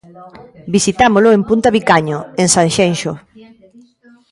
Visitámolo en punta Vicaño, en Sanxenxo.